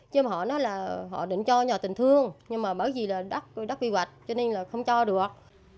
chứ mà họ nói là họ định cho nhà tình thương nhưng mà bởi vì là đất quy hoạch cho nên là không cho được